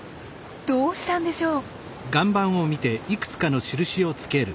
どうしたんでしょう？